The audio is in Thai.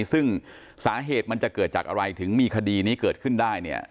ซึ่งสาเหตุมันจะเกิดจากอะไรถึงมีคดีนี้เกิดขึ้นได้เนี่ย